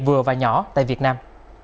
vừa và nhỏ tại việt nam